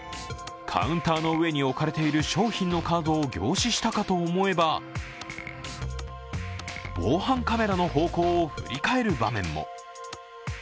カウンターの上に置かれている商品のカードを凝視したかと思えば、防犯カメラの方向を振り返る場面も。